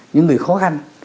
những người khó khăn